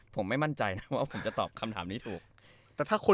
ผมไม่มั่นใจนะว่าผมจะตอบคำถามนี้ถูก